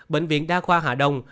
bệnh viện đa khoa hà đông